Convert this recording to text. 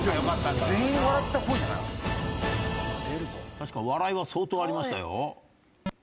確かに笑いは相当ありましたよ。